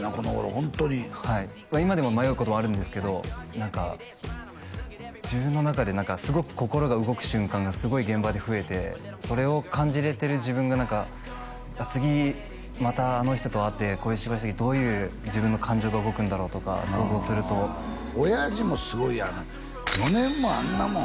ホントに今でも迷うことはあるんですけど何か自分の中ですごく心が動く瞬間がすごい現場で増えてそれを感じれてる自分が何か次またあの人と会ってこういう芝居した時どういう自分の感情が動くんだろうとか想像すると親父もすごいよ４年もあんなもん